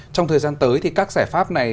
trong thời gian tới thì các giải pháp này